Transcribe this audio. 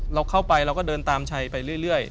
เราเข้าไปเราก็เดินตามชัยไปเรื่อย